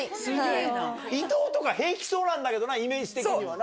いとうとか平気そうなんだけどなイメージ的にはな。